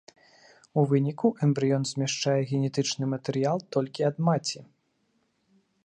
У выніку эмбрыён змяшчае генетычны матэрыял толькі ад маці.